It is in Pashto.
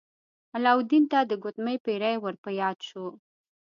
علاوالدین ته د ګوتمۍ پیری ور په یاد شو.